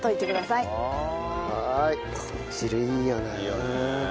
いいよね。